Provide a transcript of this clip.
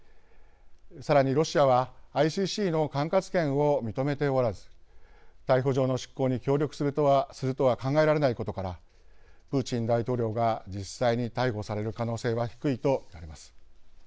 さらにロシアはＩＣＣの管轄権を認めておらず逮捕状の執行に協力するとは考えられないことからプーチン大統領が実際に逮捕される可能性は低いと見られます。